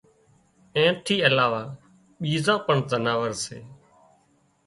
اين ٿِي علاوه ٻيزان پڻ زناورسي